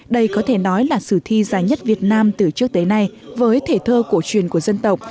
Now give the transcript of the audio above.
đây có thể nói là sử thi dài nhất việt nam từ trước tới nay với thể thơ cổ truyền của dân tộc